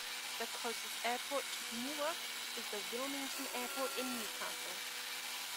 The closest airport to Newark is the Wilmington Airport in New Castle.